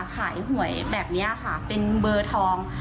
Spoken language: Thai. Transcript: หวยแบบนี้ค่ะเป็นเบอร์ทอง